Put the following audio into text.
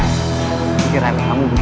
mikir mikir sama kamu disini